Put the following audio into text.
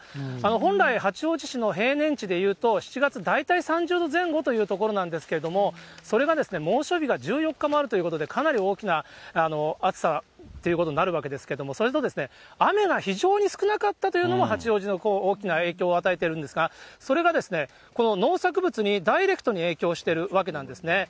本来、八王子市の平年値でいうと、７月、大体３０度前後というところなんですけれども、それがですね、猛暑日が１４日もあるということで、かなり大きな暑さということになるわけですけれども、それと雨が非常に少なかったというのも、八王子の、大きな影響を与えてるんですが、それがですね、この農作物にダイレクトに影響しているわけなんですね。